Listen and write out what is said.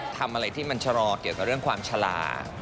ทำอะไรที่มันชะลอเกี่ยวกับเรื่องความชะลา